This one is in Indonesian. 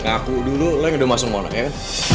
ngaku dulu lo yang udah masuk mona ya kan